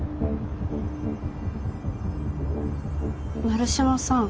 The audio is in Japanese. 鳴島さん。